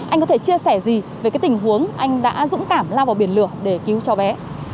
anh có thể chia sẻ gì về cái tình huống anh đã dũng cảm lao vào biển lửa để cứu cho bé